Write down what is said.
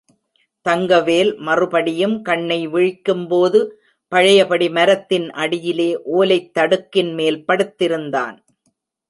தங்கவேல் மறுபடியும் கண்ணை விழிக்கும்போது பழையபடி மரத்தின் அடியிலே ஓலைத் தடுக்கின்மேல் படுத்திருந்தான்.